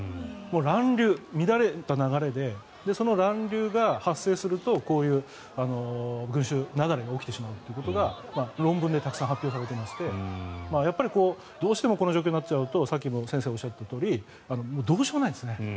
乱流、乱れた流れでその乱流が発生するとこういう群衆雪崩が起きてしまうということが論文でたくさん発表されていましてどうしてもこの状況になっちゃうとさっき先生がおっしゃったとおりもうどうしようもないんですね。